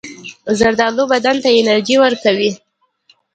زردالو بدن ته انرژي ورکوي.